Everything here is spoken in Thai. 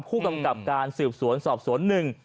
ผู้กำกัดการสืบสวนสอบสวน๑